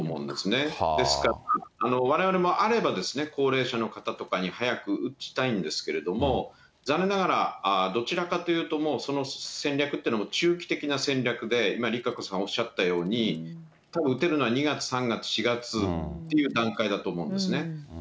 ですから、われわれも、あれば高齢者の方とかに早く打ちたいんですけれども、残念ながらどちらかというと、もうその戦略というのも中期的な戦略で、今、ＲＩＫＡＣＯさんがおっしゃったように、たぶん打てるのは２月、３月、４月っていう段階だと思うんですね。